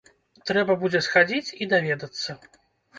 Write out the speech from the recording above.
Трэба будзе схадзіць і даведацца.